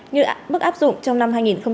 như mức áp dụng trong năm hai nghìn hai mươi hai